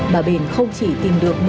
bà bền không chỉ tìm được